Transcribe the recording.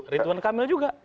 ridwan kamil juga